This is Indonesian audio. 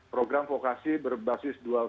program fokasi berbasis dual